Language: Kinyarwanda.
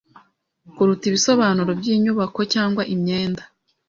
kuruta ibisobanuro byinyubako cyangwa imyenda